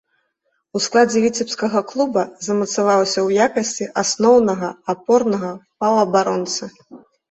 У складзе віцебскага клуба замацаваўся ў якасці асноўнага апорнага паўабаронцы.